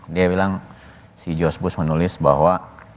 dia bilang si george bush menulis bahwa